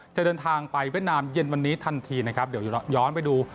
จะเดินทางไปเวียดนามเย็นวันนี้ทันทีนะครับเดี๋ยวย้อนไปดู